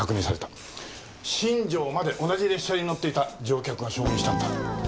新庄まで同じ列車に乗っていた乗客が証言したんだ。